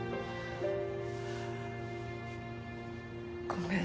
ごめん。